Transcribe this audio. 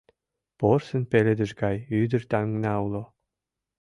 Порсын пеледыш гай ӱдыр таҥна уло